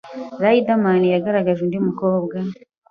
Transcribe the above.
Riderman yagaragaje undi mukobwa